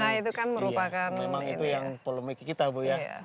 ya inilah memang itu yang polemik kita bu ya